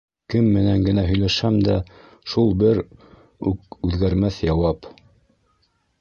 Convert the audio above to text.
Кем менән генә һөйләшһәм дә шул бер үкүҙгәрмәҫ яуап.